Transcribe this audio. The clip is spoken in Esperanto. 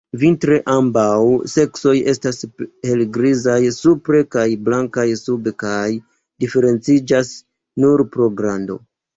Vintre ambaŭ seksoj estas helgrizaj supre kaj blankaj sube kaj diferenciĝas nur pro grando.